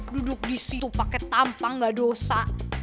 duduk disitu pakai tampang gak dosa